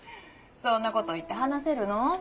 そんな事言って話せるの？